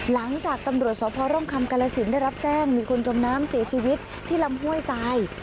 หลังจากตำรวจสพร่องคำกาลสินได้รับแจ้งมีคนจมน้ำเสียชีวิตที่ลำห้วยทราย